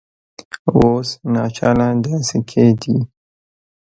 اوس ناچله دا سکې دي